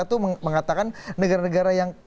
atau mengatakan negara negara yang